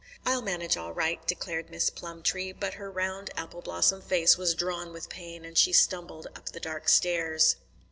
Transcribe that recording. "I'll manage all right," declared Miss Plumtree; but her round apple blossom face was drawn with pain, and she stumbled up the dark stairs.